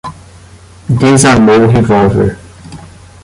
Desarmou o revólver